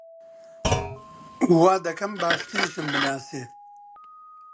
وا دەکەم باشتریشم بناسی!